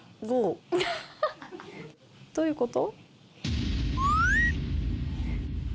どういうこと？